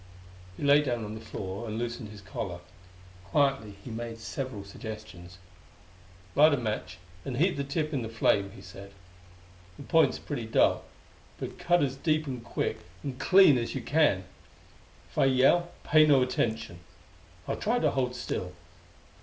He lay face down on the floor and loosened his collar. Quietly, he made several suggestions. "Light a match and heat the tip in the flame," he said. "The point's pretty dull, but cut as deep and quick and clean as you can. If I yell, pay no attention; I'll try to hold still.